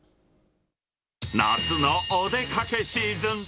夏のお出かけシーズン。